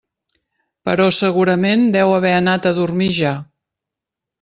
Però segurament deu haver anat a dormir ja.